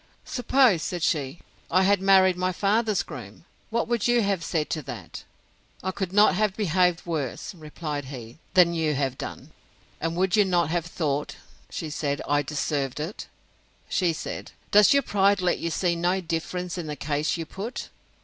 Suppose, said she, I had married my father's groom! what would you have said to that?—I could not have behaved worse, replied he, than you have done. And would you not have thought, said she, I had deserved it. Said he, Does your pride let you see no difference in the case you put?